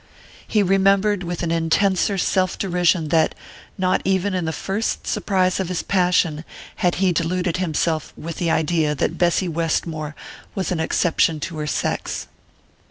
He remembered with an intenser self derision that, not even in the first surprise of his passion, had he deluded himself with the idea that Bessy Westmore was an exception to her sex.